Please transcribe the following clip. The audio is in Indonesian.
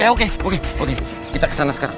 oke oke kita kesana sekarang